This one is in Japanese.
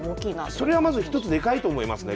それはまず一つでかいと思いますね。